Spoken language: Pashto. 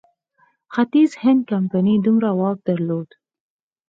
ختیځ هند کمپنۍ دومره واک درلود.